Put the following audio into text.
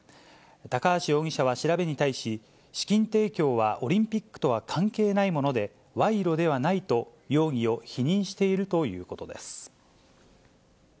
高橋容疑者は調べに対し、資金提供はオリンピックとは関係ないもので、賄賂ではないと容疑を否認しているということです。